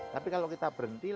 tapi kalau kita berhenti